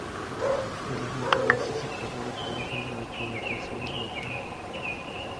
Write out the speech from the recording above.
De la Fuente inició su carrera como jefa de comunicaciones de Nokia.